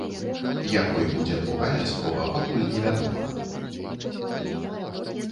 Якой будзе другая спроба, пакуль невядома.